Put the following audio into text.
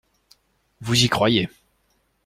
Vous y croyez.